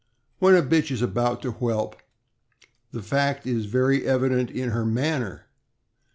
When a bitch is about to whelp, the fact is very evident in her manner.